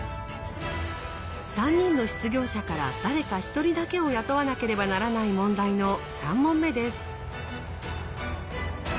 ３人の失業者から誰か１人だけを雇わなければならない問題の３問目です。